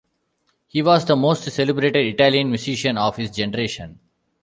He was "the most celebrated Italian musician of his generation".